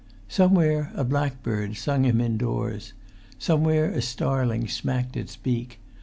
Somewhere a blackbird sung him indoors; somewhere a starling smacked its beak.